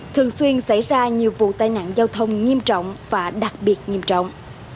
thường xuyên xảy ra nhiều vụ tai nạn giao thông nghiêm trọng và đặc biệt nghiêm trọng